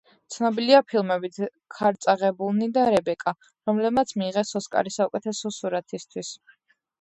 ცნობილია ფილმებით „ქარწაღებულნი“ და „რებეკა“, რომლებმაც მიიღეს ოსკარი საუკეთესო სურათისთვის.